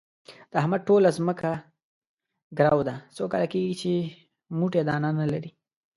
د احمد ټوله ځمکه ګرو ده، څو کاله کېږي چې موټی دانه نه لري.